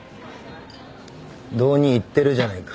堂に入ってるじゃないか。